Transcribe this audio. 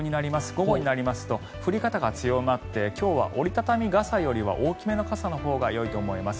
午後になりますと降り方が強まって今日は折り畳み傘よりは大きめの傘のほうがよいと思います。